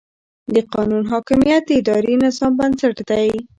د قانون حاکمیت د اداري نظام بنسټ دی.